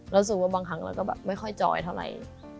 รู้สึกว่าบางครั้งเราก็แบบไม่ค่อยจอยเท่าไหร่